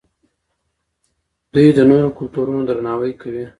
دوی د نورو کلتورونو درناوی کوي.